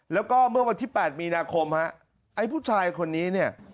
แล้วก็เมื่อวันที่๘มีนาคมฮะไอ้ผู้ชายคนนี้เนี่ย